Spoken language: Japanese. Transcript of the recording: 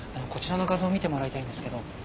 こちらの画像を見てもらいたいんですけど。